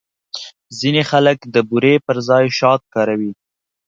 ځینې خلک د بوري پر ځای شات کاروي.